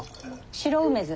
白梅酢。